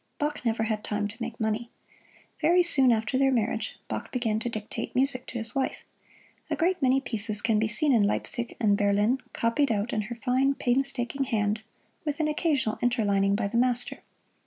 Bach never had time to make money. Very soon after their marriage Bach began to dictate music to his wife. A great many pieces can be seen in Leipzig and Berlin copied out in her fine, painstaking hand, with an occasional interlining by the Master.